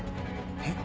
えっ？